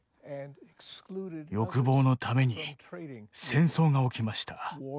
欲望のために戦争が起きました。